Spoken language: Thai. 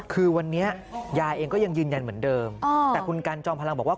คือวันนี้ยายเองก็ยังยืนยันเหมือนเดิมแต่คุณกันจอมพลังบอกว่า